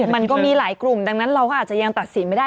มันก็มีหลายกลุ่มดังนั้นเราก็อาจจะยังตัดสินไม่ได้